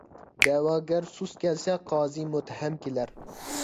دەۋاگەر سۇس كەلسە، قازى مۇتتەھەم كىلەر.